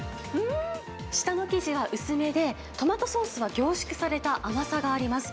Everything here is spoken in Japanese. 下の生地は薄めで、トマトソースは凝縮された甘さがあります。